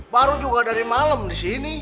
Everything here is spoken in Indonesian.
baru juga dari malam di sini